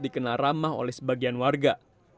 dikenal ramah oleh sebagian warga